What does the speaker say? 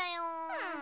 うん。